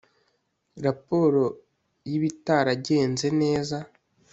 raporo y ibitaragenze neza